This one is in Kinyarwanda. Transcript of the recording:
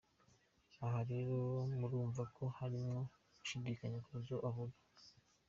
Aha rero murumva ko harimo gushindikanya mu byo avuga.